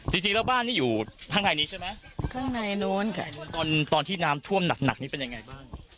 จริงแล้วบ้านนี้อยู่ข้างในนี้ใช่ไหมข้างในนู้นตอนตอนที่น้ำท่วมหนักหนักนี่เป็นยังไงบ้าง